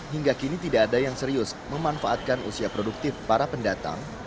hingga kini tidak ada yang serius memanfaatkan usia produktif para pendatang